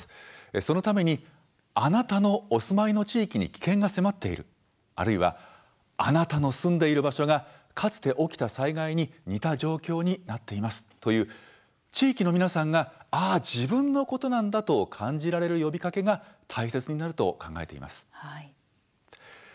そのために「あなたのお住まいの地域に危険が迫っている」あるいは「あなたの住んでいる場所がかつて起きた災害に似た状況になっています」という地域の皆さんがああ、自分のことなんだと感じられる呼びかけが大切になると考えています。